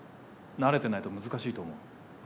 慣れてないと難しいと思う。